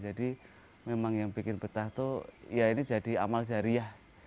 jadi memang yang bikin betah tuh ya ini jadi amal jariah